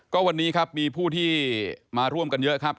ก็วันนี้ครับมีผู้ที่มาร่วมกันเยอะครับ